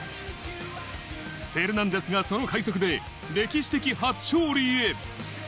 フェルナンデスが、その快足で歴史的初勝利へ。